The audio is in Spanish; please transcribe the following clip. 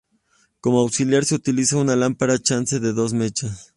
Como auxiliar se utilizaba una Lámpara Chance de dos mechas.